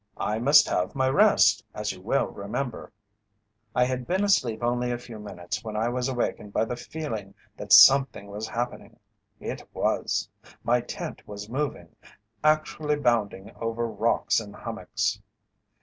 I must have my rest, as you will remember. "I had been asleep only a few minutes when I was awakened by the feeling that something was happening. It was. My tent was moving actually bounding over rocks and hummocks.